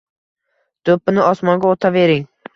do‘ppini osmonga otavering.